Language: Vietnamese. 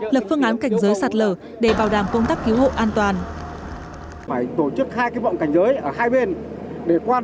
lập phương án của lực lượng chức năng cứu hộ cứu nạn